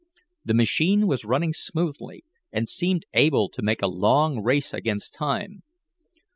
The machine was running smoothly, and seemed able to make a long race against time.